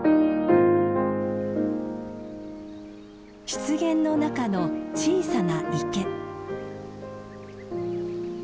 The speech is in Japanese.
湿原の中の小さな池。